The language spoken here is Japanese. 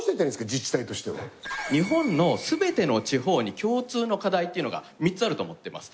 日本のすべての地方に共通の課題っていうのが３つあると思っています。